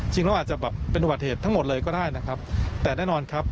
เราอาจจะแบบเป็นอุบัติเหตุทั้งหมดเลยก็ได้นะครับแต่แน่นอนครับ